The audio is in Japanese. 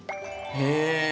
へえ！